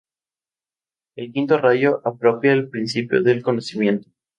El quinto rayo apropia el principio del conocimiento.